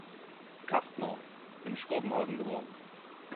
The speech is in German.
Kastner, in Schrobenhausen geboren.